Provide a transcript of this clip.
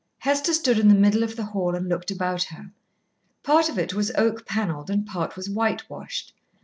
Hester stood in the middle of the hall and looked about her. Part of it was oak panelled and part was whitewashed.